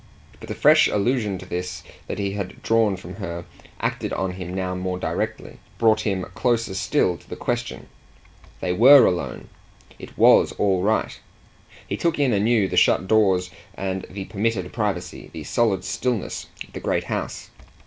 But the fresh allusion to this that he had drawn from her acted on him now more directly, brought him closer still to the question. They WERE alone it WAS all right: he took in anew the shut doors and the permitted privacy, the solid stillness of the great house.